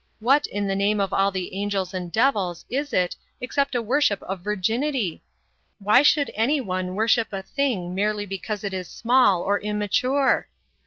What, in the name of all the angels and devils, is it except a worship of virginity? Why should anyone worship a thing merely because it is small or immature?